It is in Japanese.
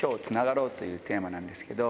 というというテーマなんですけど。